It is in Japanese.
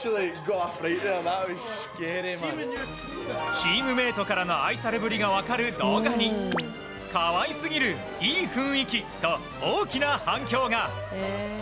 チームメートからの愛されぶりが分かる動画に可愛すぎる、いい雰囲気と大きな反響が。